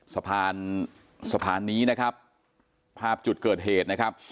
สะพานสะพานนี้นะครับภาพจุดเกิดเหตุนะครับ